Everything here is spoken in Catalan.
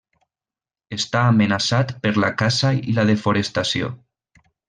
Està amenaçat per la caça i la desforestació.